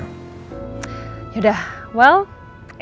kiki udah sampai ya